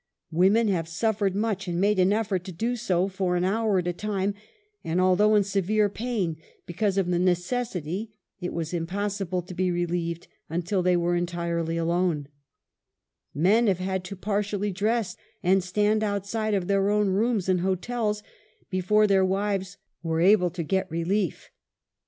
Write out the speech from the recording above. Women have suffered much, and made an effort to do so for an hour at a time, and although in severe pain because of the necessity, it was impossible to be relieved until u Men have had to partially dress and stand outside of their own rooms in hotels, before their wives were 1*^ able to get relief.